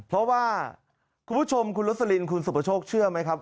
เพราะว่าคุณผู้ชมคุณลสลินคุณสุประโชคเชื่อไหมครับ